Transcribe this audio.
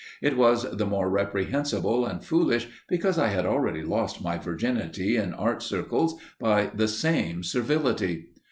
It was the more reprehensible and foolish because I had already lost my virginity in art circles by the same servility.